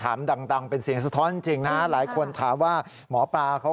ดังเป็นเสียงสะท้อนจริงนะหลายคนถามว่าหมอปลาเขา